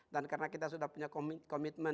dan karena kita sudah punya komitmen